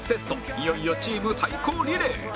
いよいよチーム対抗リレー